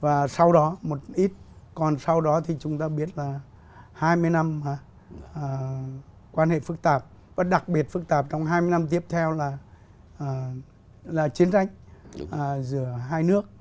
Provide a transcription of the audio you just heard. và sau đó một ít còn sau đó thì chúng ta biết là hai mươi năm quan hệ phức tạp và đặc biệt phức tạp trong hai mươi năm tiếp theo là chiến tranh giữa hai nước